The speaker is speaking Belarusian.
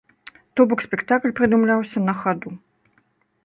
То бок спектакль прыдумляўся на хаду.